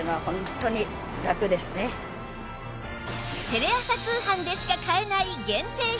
テレ朝通販でしか買えない限定品！